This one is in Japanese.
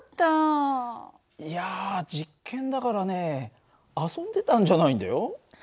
いや実験だからね遊んでたんじゃないんだよ。